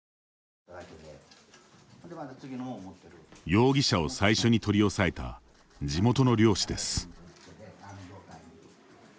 容疑者を最初に取り押さえた地元の漁師です。